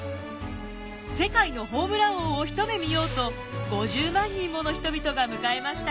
世界のホームラン王を一目見ようと５０万人もの人々が迎えました。